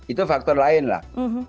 itu faktor lain lah